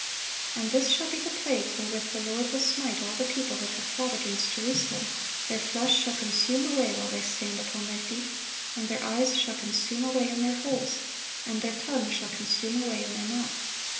(1138) "And this shall be the plague wherewith the Lord will smite all the people that have fought against Jerusalem: Their flesh shall consume away while they stand upon their feet, and their eyes shall consume away in their holes, and their tongue shall consume away in their mouth.